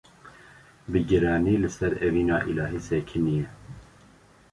bi giranî li ser evîna îlahî sekinîye.